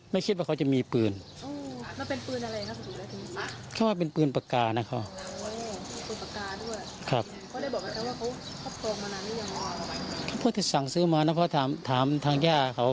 ไม่มีเคยติดตัวแล้วก็ไม่มีเรื่องยาเสพติดคุก